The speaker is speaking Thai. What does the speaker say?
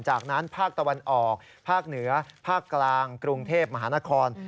จากนั้นภาคตะวันออกภาคเหนือภาคกลางกรุงเทพมหานคร